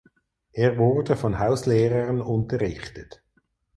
Er wurde von Hauslehrern unterrichtet.